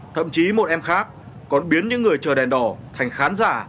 thậm chí một em khác còn biến những người chờ đèn đỏ thành khán giả